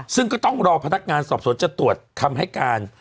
ซึ่งก็ต้องรอพนักงานสอบสวนจะตรวจคำให้การ